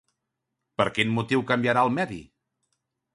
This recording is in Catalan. Per quin motiu canviarà el medi?